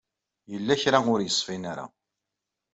Yella kra ur yeṣfin ara.